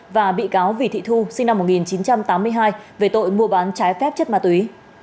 và bị cáo vì thị thu sinh năm một nghìn chín trăm tám mươi hai về tội mua bán trái phép chất ma túy